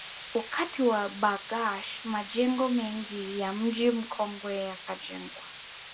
Wakati wa Bargash majengo mengi ya Mji Mkongwe yakajengwa